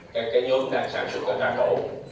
cái nhóm đang sản xuất ở tà cổ